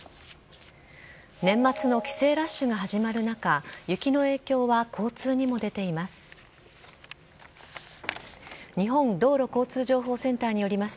年末の帰省ラッシュが始まる中、雪の影響は交通にも出ています。